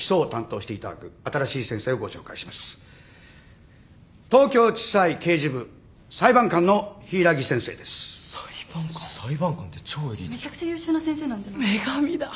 めちゃくちゃ優秀な先生なんじゃない？